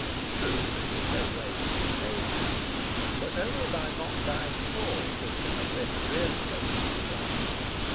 True, this was no way to be a saviour. But only by not dying at all could he have set a really potent example....